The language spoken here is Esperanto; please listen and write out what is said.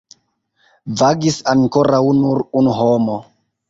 Vagis ankoraŭ nur unu homo.